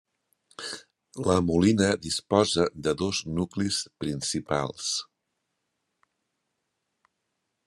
La Molina disposa de dos nuclis principals.